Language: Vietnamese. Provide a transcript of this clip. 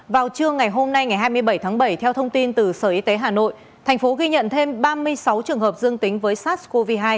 vào trưa ngày hôm nay ngày hai mươi bảy tháng bảy theo thông tin từ sở y tế hà nội thành phố ghi nhận thêm ba mươi sáu trường hợp dương tính với sars cov hai